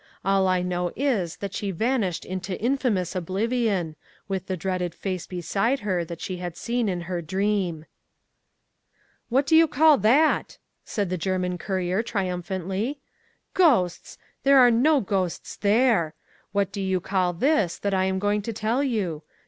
All I know is, that she vanished into infamous oblivion, with the dreaded face beside her that she had seen in her dream. 'What do you call that?' said the German courier, triumphantly. 'Ghosts! There are no ghosts there! What do you call this, that I am going to tell you?